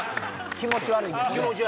気持ち悪いんですよ。